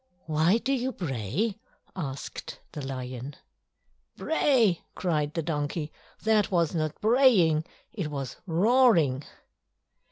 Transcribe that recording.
"Why do you bray?" asked the lion. "Bray!" cried the donkey. "That was not braying—it was roaring!"